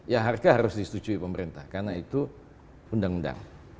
ya harga harus disetujui pemerintah karena itu undang undang